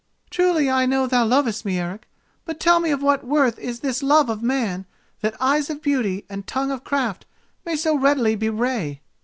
"Truly I know thou lovest me, Eric; but tell me of what worth is this love of man that eyes of beauty and tongue of craft may so readily bewray?